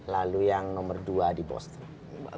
lalu yang nomor dua di boston